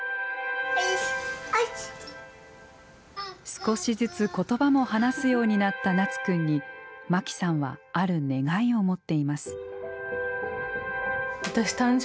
少しずつ言葉も話すようになったなつくんにまきさんはある願いを持っています。